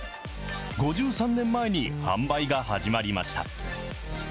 ５３年前に販売が始まりました。